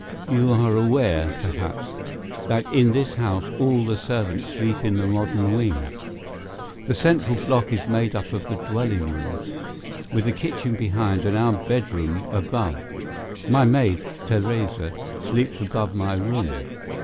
You are aware, perhaps, that in this house all the servants sleep in the modern wing. This central block is made up of the dwelling rooms, with the kitchen behind and our bedroom above. My maid, Theresa, sleeps above my room.